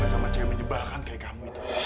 sama cahaya menyebalkan kayak kamu itu